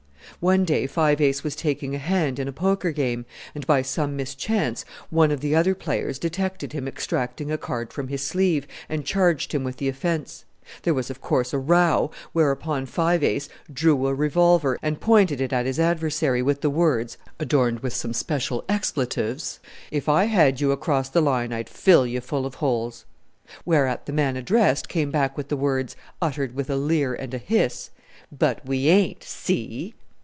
One day Five Ace was taking a hand in a Poker game, and by some mischance one of the other players detected him extracting a card from his sleeve, and charged him with the offence. There was, of course, a row, whereupon Five Ace drew a revolver, and pointed it at his adversary, with the words adorned with some special expletives, "If I had you across the line I'd fill you full of holes." Whereat the man addressed came back with the words, uttered with a leer and a hiss, "But we ain't: See!"